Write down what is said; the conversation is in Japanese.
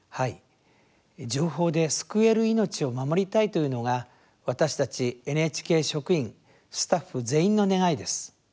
「情報で救える命を守りたい」というのが私たちＮＨＫ職員スタッフ全員の願いです。